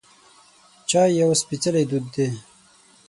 چای یو سپیڅلی دود دی.